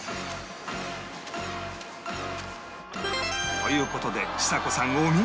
という事でちさ子さんお見事！